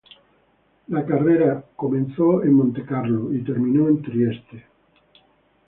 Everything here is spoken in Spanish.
La carrera comenzó en Montecarlo y terminó en Trieste.